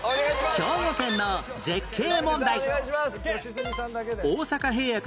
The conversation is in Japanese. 兵庫県の絶景問題